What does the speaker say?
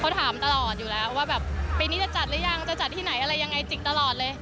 เขาถามตลอดอยู่แล้วว่าแบบปีนี้จะจัดหรือยังจะจัดที่ไหนอะไรยังไงจิกตลอดเลย